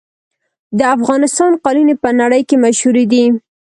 د افغانستان قالینې په نړۍ کې مشهورې دي.